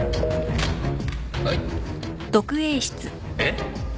えっ？